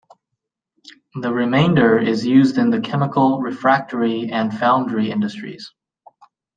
The remainder is used in the chemical, refractory, and foundry industries.